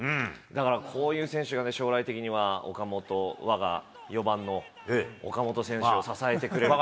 だから、こういう選手が将来的には岡本、わが４番の岡本選手を支えてくれる。